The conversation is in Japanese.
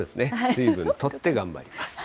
水分とって頑張ります。